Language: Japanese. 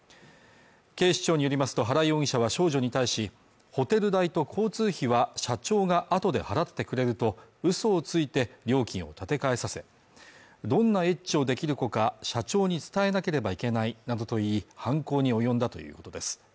警視庁によりますと原容疑者は少女に対しホテル代と交通費は社長が後で払ってくれると嘘をついて料金を立て替えさせどんなエッチをできるか社長に伝えなければいけないなどと言い犯行に及んだということです